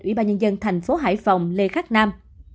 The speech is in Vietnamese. ủy ban nhân dân thành phố hải phòng lê khắc nam